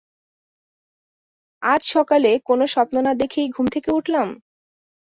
আর আজ সকালে, কোনো স্বপ্ন না দেখেই ঘুম থেকে উঠলাম?